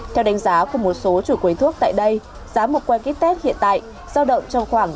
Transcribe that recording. theo đánh giá của một số chủ quầy thuốc tại đây giá một quầy ký test hiện tại giao động trong khoảng